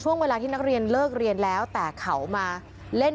หลายคนหลายคนหลายคนหลายคนหลายคน